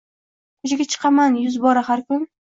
Ko’chaga chiqaman yuz bora har kun